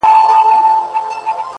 • چي ناحقه پردي جنگ ته ورگډېږي ,